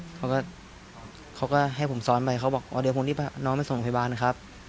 เขาก็เขาก็ให้ผมซ้อนไปเขาบอกอ๋อเดี๋ยวผมรีบพาน้องไปส่งโรงพยาบาลครับ